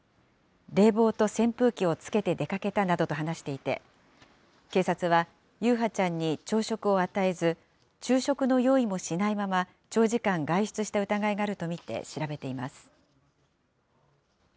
冷房と扇風機をつけて出かけたなどと話していて、警察は、優陽ちゃんに朝食を与えず、昼食の用意もしないまま、長時間外出した疑いがあると見て調べています。